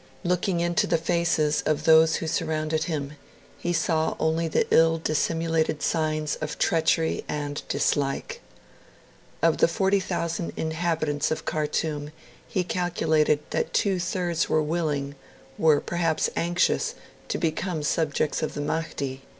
Looking into the faces of those who surrounded him, he saw only the ill dissimulated signs of treachery and dislike. Of the 40,000 inhabitants of Khartoum he calculated that two thirds were willing were perhaps anxious to become the subjects of the Mahdi.